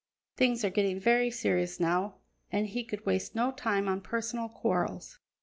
Things were getting very serious now and he could waste no time on personal quarrels.